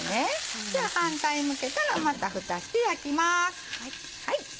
じゃあ反対向けたらまたふたして焼きます。